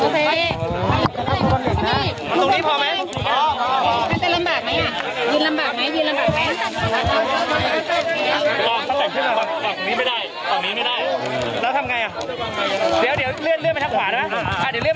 ขอบคุณครับขอบคุณครับขอบคุณครับขอบคุณครับขอบคุณครับขอบคุณครับ